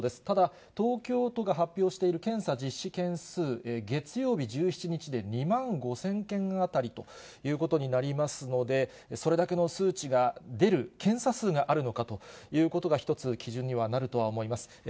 ただ、東京都が発表している検査実施件数、月曜日、１７日で２万５０００件あたりということになりますので、それだけの数値が出る検査数があるのかということが一つ、基準にはなると思います。